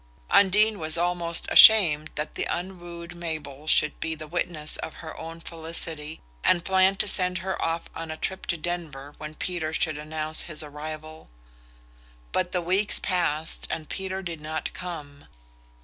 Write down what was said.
Undine was almost ashamed that the unwooed Mabel should be the witness of her own felicity, and planned to send her off on a trip to Denver when Peter should announce his arrival; but the weeks passed, and Peter did not come.